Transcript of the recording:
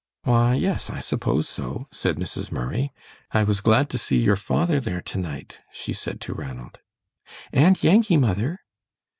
"Why, yes, I suppose so," said Mrs. Murray. "I was glad to see your father there to night," she said to Ranald. "And Yankee, mother."